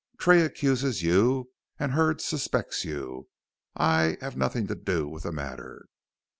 Tray accuses you, and Hurd suspects you. I have nothing to do with the matter."